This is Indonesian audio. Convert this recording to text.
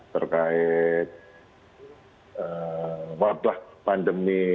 terkait wabah pandemi